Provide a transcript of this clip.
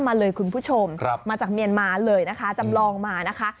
มาจากเมียนมาเลยนะคะจำลองมานะคะ